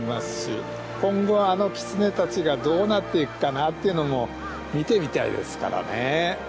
今後あのキツネたちがどうなっていくかなあっていうのも見てみたいですからね。